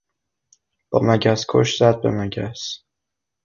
با مگس کش زد به مگس.